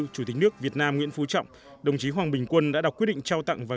chủ tịch nước việt nam nguyễn phú trọng đồng chí hoàng bình quân đã đọc quyết định trao tặng và